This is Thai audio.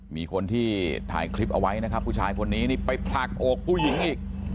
มีคนที่ถ่ายคลิปเอาไว้นะครับผู้ชายคนนี้นี่ไปผลักอกผู้หญิงอีก